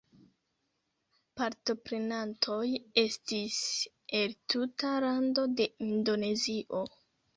Partoprenantoj estis el tuta lando de Indonezio.